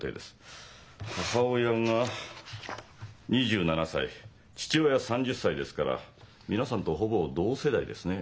母親が２７歳父親３０歳ですから皆さんとほぼ同世代ですね。